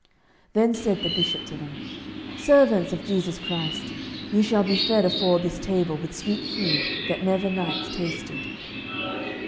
Then said the bishop to them, "Servants of Jesu Christ, ye shall be fed afore this table with sweet food, that never knights tasted."